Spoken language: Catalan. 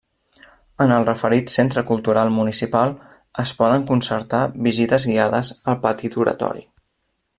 En el referit centre cultural municipal es poden concertar visites guiades al petit oratori.